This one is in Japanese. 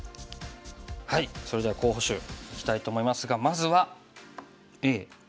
それでは候補手いきたいと思いますがまずはＡ。